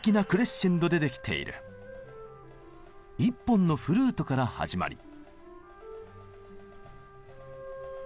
１本のフルートから始まり。